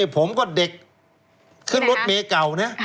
ผมก็เด็กขึ้นรถเมย์เก่านะ